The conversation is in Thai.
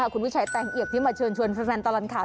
คุณวิชัยแตงเอกที่มาชวนแฟนตรขาว